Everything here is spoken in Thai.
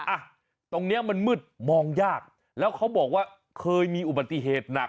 อ่ะตรงเนี้ยมันมืดมองยากแล้วเขาบอกว่าเคยมีอุบัติเหตุหนัก